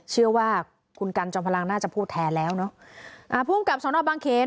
เชื่อว่าคุณกันจอมพลังน่าจะพูดแทนแล้วเนอะอ่าภูมิกับสนบางเขน